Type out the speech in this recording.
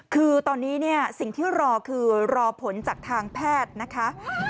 คือตอนนี้เนี่ยสิ่งที่รอคือรอผลจากทางแพทย์นะคะ